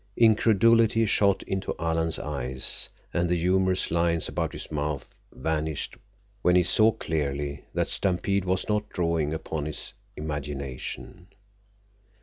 Incredulity shot into Alan's eyes, and the humorous lines about his mouth vanished when he saw clearly that Stampede was not drawing upon his imagination.